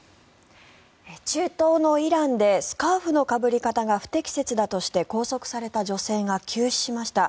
中東のイランでスカーフのかぶり方が不適切だとして拘束された女性が急死しました。